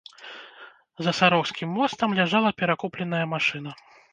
За сарокскім мостам ляжала перакуленая машына.